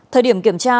thời điểm kiểm tra